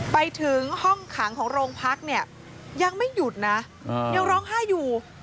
ไปถึงห้องขังของโรงพักเนี่ยยังไม่หยุดนะยังร้องไห้อยู่